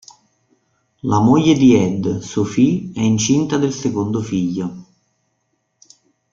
La moglie di Ed, Sophie, è incinta del secondo figlio.